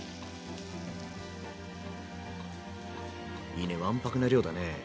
いいねわんぱくな量だね。